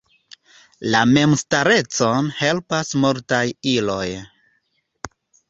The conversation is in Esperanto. La memstarecon helpas multaj iloj.